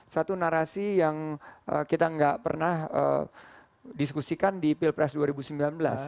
satu narasi yang kita nggak pernah diskusikan di pilpres dua ribu sembilan belas